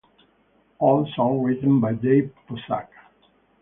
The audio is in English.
All songs written by Dave Puzak.